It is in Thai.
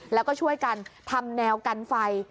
แล้วก็ช่วยกันทำแนวกันไฟ